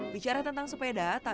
bicara tentang sepeda